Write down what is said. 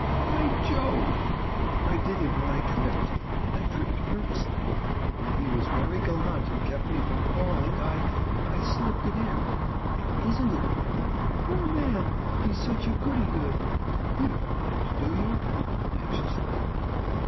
By jove!—" "I did it when I tripped. And I tripped purposely, and when he was very gallant and kept me from falling, I—I slipped it in. And isn't it awful? Poor man! He's such a goody good. You don't mind, do you?" Anxiously.